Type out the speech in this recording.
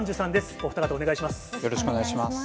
お二方、よろしくお願いします。